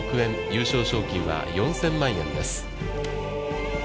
優勝賞金は４０００万円です。